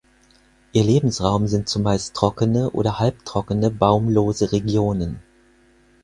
Ihr Lebensraum sind zumeist trockene oder halbtrockene, baumlose Regionen.